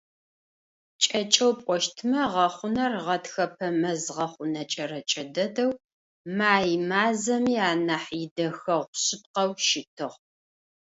КӀэкӀэу пӀощтмэ, гъэхъунэр гъэтхэпэ мэз гъэхъунэ кӀэрэкӀэ дэдэу, май мазэми анахь идэхэгъу шъыпкъэу щытыгъ.